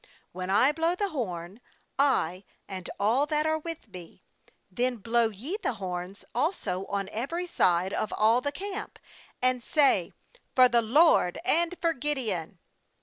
18When I blow the horn, I and all that are with me, then blow ye the horns also on every side of all the camp, and say : For the LOED and for Gideon